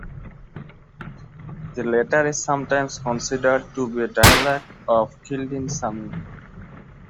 The latter is sometimes considered to be a dialect of Kildin Sami.